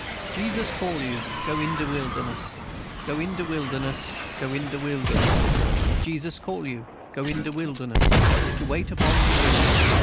"Jesus call you. Go in de wilderness, Go in de wilderness, go in de wilderness, Jesus call you. Go in de wilderness To wait upon de Lord.